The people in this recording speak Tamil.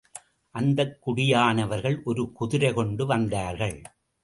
அந்தக் குடியானவர்கள் ஒரு குதிரை கொண்டு வந்தார்கள்.